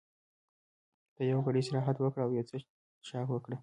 ته یو ګړی استراحت وکړه او یو څه څښاک وکړه.